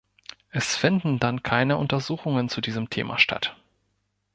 Es finden dann keine Untersuchungen zu diesem Thema statt.